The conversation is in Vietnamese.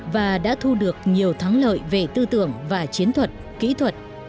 và đã thu được nhiều thắng lợi về tư tưởng và chiến thuật kỹ thuật